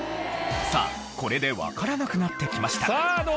さあこれでわからなくなってきました。